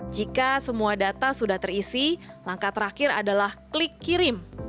jika semua data sudah terisi langkah terakhir adalah klik kirim